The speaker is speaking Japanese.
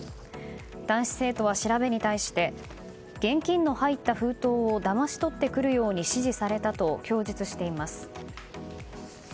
男子生徒は調べに対して現金の入った封筒をだまし取ってくるように指示されたと供述しています。